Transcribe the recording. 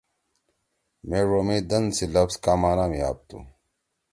مے ڙو می دن سی لفظ کا معنی می آپتُو؟